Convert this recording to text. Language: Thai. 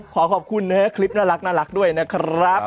ขอขอบคุณคริปน่ารักด้วยนะครับ